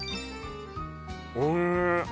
おいしい